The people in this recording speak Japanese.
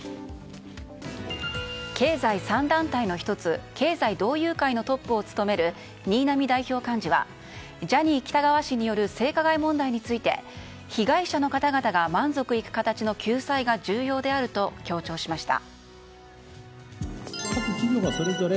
経済３団体の１つ経済同友会のトップを務める新浪代表幹事はジャニー喜多川氏による性加害問題について被害者の方々が満足いく形の救済が重要であると強調しました。